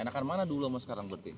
enakan mana dulu sama sekarang berarti